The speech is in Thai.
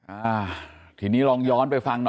อ่าทีนี้ลองย้อนไปฟังหน่อย